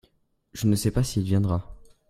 Je ne sais pas s'il viendra.